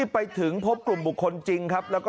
อำเภอโพธาราม